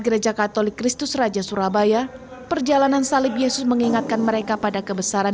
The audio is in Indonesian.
gereja katolik kristus raja surabaya perjalanan salib yesus mengingatkan mereka pada kebesaran